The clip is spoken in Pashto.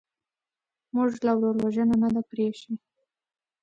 موږ لا ورور وژنه نه ده پرېښې.